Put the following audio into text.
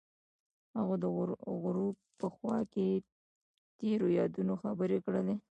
هغوی د غروب په خوا کې تیرو یادونو خبرې کړې.